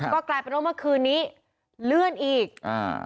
ก็กลายเป็นว่าเมื่อคืนนี้เลื่อนอีกอ่า